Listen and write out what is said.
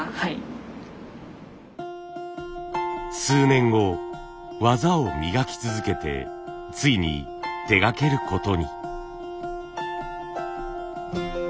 数年後技を磨き続けてついに手がけることに。